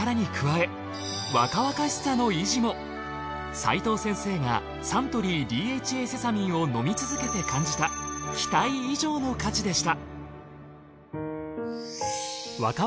齋藤先生がサントリーＤＨＡセサミンを飲み続けて感じた期待以上の価値でした。